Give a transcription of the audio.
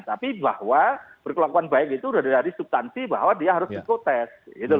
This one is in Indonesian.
tapi bahwa berkelakuan baik itu dari subtansi bahwa dia harus psikotest